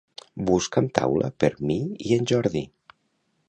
Busca'm taula per mi i en Jordi.